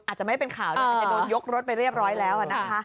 อาจจะไม่เป็นข่าวด้วยอาจจะโดนยกรถไปเรียบร้อยแล้วนะคะ